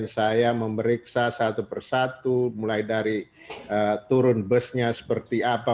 saya memeriksa satu persatu mulai dari turun busnya seperti apa